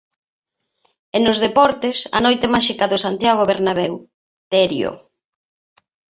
E nos deportes, a noite máxica do Santiago Bernabéu, Terio.